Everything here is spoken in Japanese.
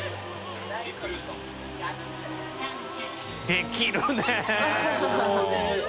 できるね